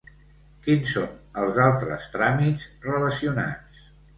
Quins són els altres tràmits relacionats?